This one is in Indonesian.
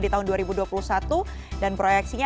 di tahun dua ribu dua puluh satu dan proyeksinya